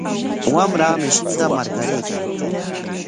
Wamra mishinta marqaraykan.